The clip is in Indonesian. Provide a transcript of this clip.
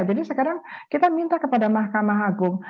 jadi sekarang kita minta kepada mahkamah agung